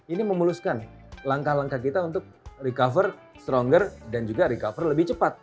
ini memuluskan langkah langkah kita untuk recover stronger dan juga recover lebih cepat